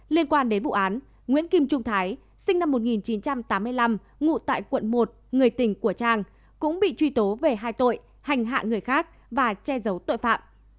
liên quan đến vụ án nguyễn kim trung thái sinh năm một nghìn chín trăm tám mươi năm ngụ tại quận một người tình của trang cũng bị truy tố về hai tội hành hạ người khác và che giấu tội phạm